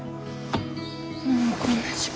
もうこんな時間。